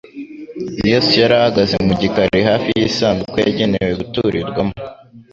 Yesu yari ahagaze mu gikari hafi y'isanduku yagenewe guturirwamo